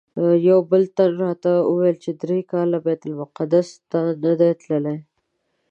یو بل تن راته ویل چې درې کاله بیت المقدس ته نه دی تللی.